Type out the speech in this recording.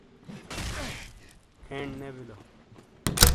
کھین نے بِیلو۔